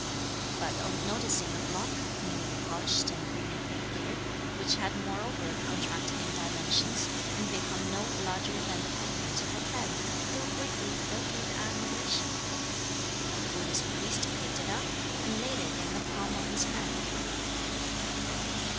But on noticing the block newly polished and brilliantly clear, which had moreover contracted in dimensions, and become no larger than the pendant of a fan, they were greatly filled with admiration. The Buddhist priest picked it up, and laid it in the palm of his hand.